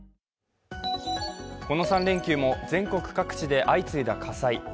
この３連休も全国各地で相次いだ火災。